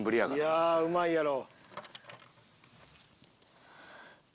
いやうまいやろ。